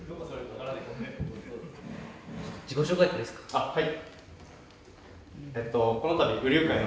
あっはい。